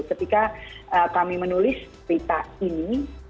ketika kami menulis berita ini